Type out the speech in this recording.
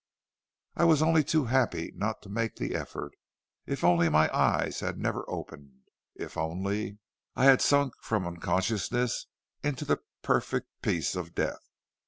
"I was only too happy not to make the effort. If only my eyes had never opened! If only I had sunk from unconsciousness into the perfect peace of death!